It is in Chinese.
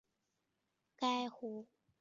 该湖的主要沉积物为芒硝。